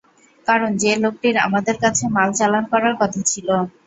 কারণ যে লোকটির আমাদের কাছে, মাল চালান করার কথা ছিল।